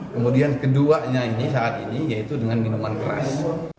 kemudian keduanya ini saat ini yaitu dengan minuman keras